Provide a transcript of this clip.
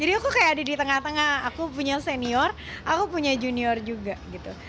jadi aku kayak ada di tengah tengah aku punya senior aku punya junior juga gitu